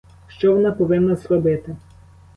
Що вона повинна зробити?